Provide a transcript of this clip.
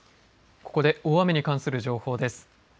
ここで大雨に関する情報です。